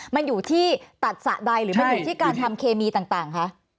มันอยู่ที่ตัดสระใดหรือมันอยู่ที่การทำเคมีต่างคะ